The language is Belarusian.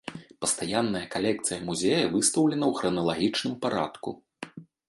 Пастаянная калекцыя музея выстаўлена ў храналагічным парадку.